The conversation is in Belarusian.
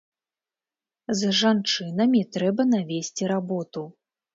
З жанчынамі трэба навесці работу.